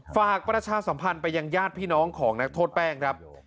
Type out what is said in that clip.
ประชาสัมพันธ์ไปยังญาติพี่น้องของนักโทษแป้งครับ